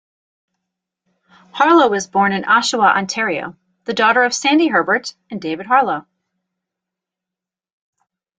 Harlow was born in Oshawa, Ontario, the daughter of Sandi Herbert and David Harlow.